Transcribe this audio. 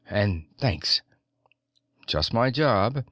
And thanks!" "Just my job."